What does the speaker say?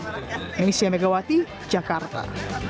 indonesia megawati jakarta